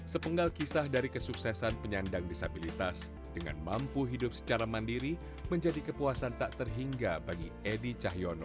sepenggal kisah dari kesuksesan penyandang disabilitas dengan mampu hidup secara mandiri menjadi kepuasan tak terhingga bagi edi cahyono